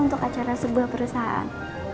untuk acara sebuah perusahaan